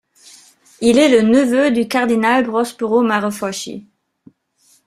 Il est le neveu du cardinal Prospero Marefoschi.